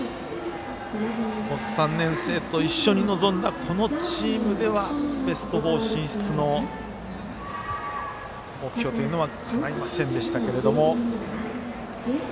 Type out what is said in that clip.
３年生と一緒に臨んだこのチームではベスト４進出の目標というのはかないませんでしたけれども。